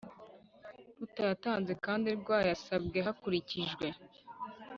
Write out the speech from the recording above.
rutayatanze kandi rwayasabwe hakurikijwe